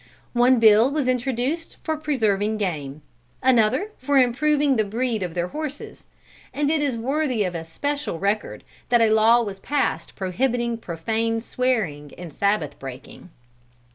One bill was introduced for preserving game; another for improving the breed of their horses; and it is worthy of especial record that a law was passed prohibiting profane swearing and Sabbath breaking.